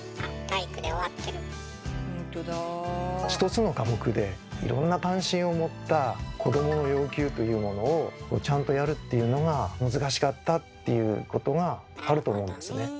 １つの科目でいろんな関心を持った子どもの要求というものをちゃんとやるっていうのが難しかったっていうことがあると思うんですね。